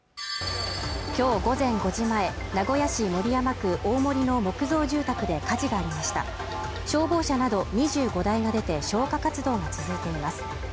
今日午前５時前名古屋市守山区大森の木造住宅で火事がありました消防車など２５台が出て消火活動が続いています